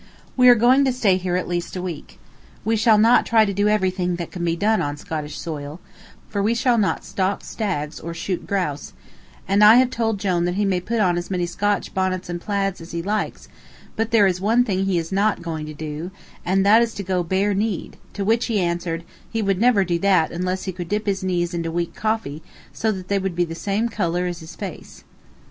We are going to stay here at least a week. We shall not try to do everything that can be done on Scottish soil, for we shall not stalk stags or shoot grouse; and I have told Jone that he may put on as many Scotch bonnets and plaids as he likes, but there is one thing he is not going to do, and that is to go bare kneed, to which he answered, he would never do that unless he could dip his knees into weak coffee so that they would be the same color as his face.